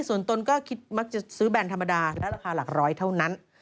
ส่วนตนก็คิดมักจะซื้อแบรนด์ธรรมดาและราคาหลักร้อยเท่านั้น